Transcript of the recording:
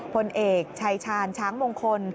พลเอกชายชาญช้างมงคล